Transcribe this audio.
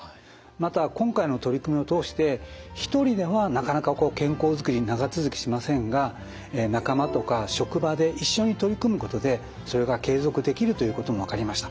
また今回の取り組みを通して一人ではなかなか健康づくり長続きしませんが仲間とか職場で一緒に取り組むことでそれが継続できるということも分かりました。